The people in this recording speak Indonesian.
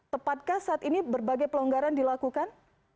tepatkah saat ini berbagai pelonggaran dilakukan